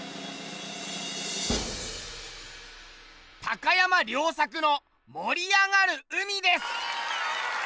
高山良策の「盛りあがる海」です。